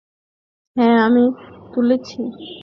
হ্যাঁ, আমি তুলেছি।